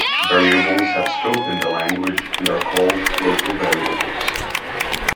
Variables have scope in the language, and are called "local variables".